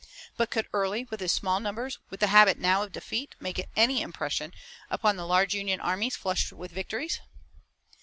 But could Early with his small numbers, with the habit now of defeat, make any impression upon the large Union armies flushed with victories?